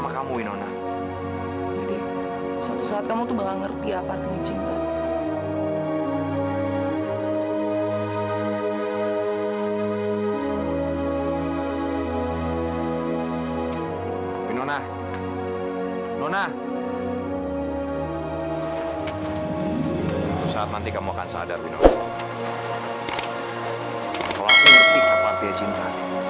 kau aku ngerti apa artinya cinta